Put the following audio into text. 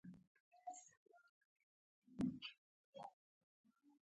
کوم یو مواد تاوده او کوم یو ساړه دي؟